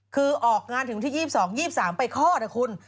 คือออกงานถึงวันที่๒๒๒๓ไปคลอดนะคุณ